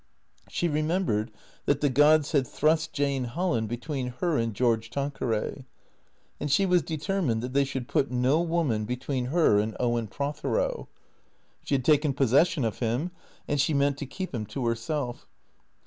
She remembered that the gods had thrust Jane Holland between her and George Tanqueray; and she was determined that they should put no woman between her and Owen Prothero. She had taken pos session of him and she meant to keep him to herself.